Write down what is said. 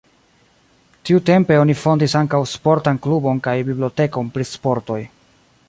Tiutempe oni fondis ankaŭ sportan klubon kaj bibliotekon pri sportoj.